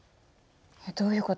どういう事？